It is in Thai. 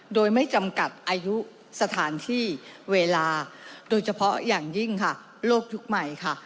โดยไม่จำกัดอายุสถานที่เวลาโดยเฉพาะอย่างยิ่งค่ะโลกยุคใหม่ค่ะ